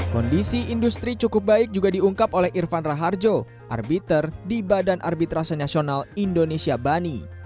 kondisi industri cukup baik juga diungkap oleh irfan raharjo arbiter di badan arbitrase nasional indonesia bani